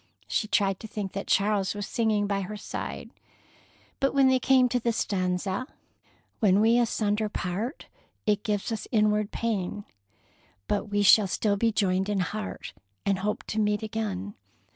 She tried to think that Charles was singing by her side, but when they came to the stanza: When we asunder part, it gives us inward pain, But we shall still be joined in heart, and hope to meet again.